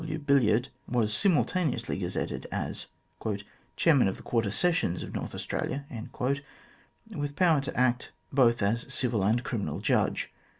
W. Billy ard was simultaneously gazetted as " Chairman of the Quarter Sessions of North Australia," with power to act both as civil and criminal Judge.